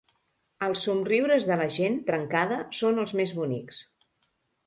Els somriures de la gent trencada són els més bonics.